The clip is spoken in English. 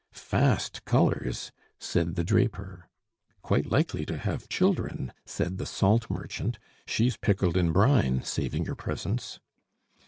"Fast colors!" said the draper. "Quite likely to have children," said the salt merchant. "She's pickled in brine, saving your presence."